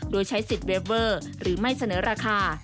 โดยใช้สิทธิ์เวฟเวอร์หรือไม่เสนอราคา